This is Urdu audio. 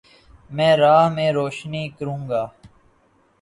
میں راہ میں روشنی کرونگا